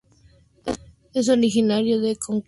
Es originario de Concord, la capital de Nuevo Hampshire.